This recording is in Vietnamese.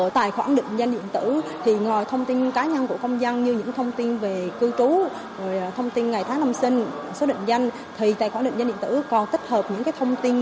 tài khoản định danh điện tử còn tích hợp những thông tin